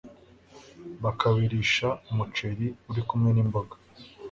bakabirisha umuceri uri kumwe n'imboga